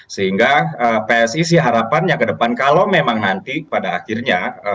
sehingga psi sih harapannya ke depan kalau memang nanti pada akhirnya